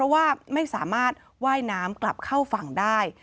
ว่าไม่สามารถว่ายน้ำกลับเข้าฝั่งได้